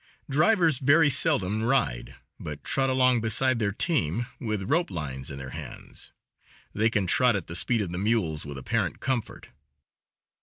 Drivers very seldom ride, but trot along beside their team with rope lines in their hands; they can trot at the speed of the mules with apparent comfort.